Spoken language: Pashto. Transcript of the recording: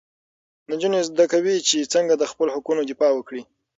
نجونې زده کوي چې څنګه د خپلو حقونو دفاع وکړي.